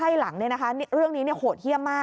วันนี้เอามา